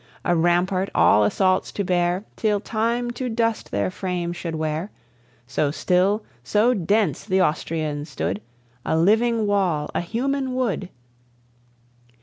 A rampart all assaults to bear, Till time to dust their frames should wear; So still, so dense the Austrians stood, A living wall, a human wood.